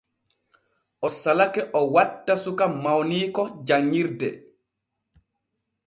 O salake o watta suka mawniiko janŋirde.